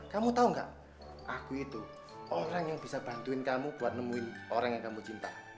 kamu tau gak aku itu orang yang bisa bantuin kamu buat nemuin orang yang kamu cinta